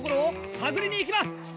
探りに行きます！